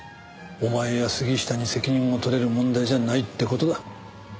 お前や杉下に責任を取れる問題じゃないって事だ。